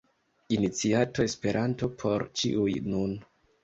Iniciato Esperanto por ĉiuj – nun!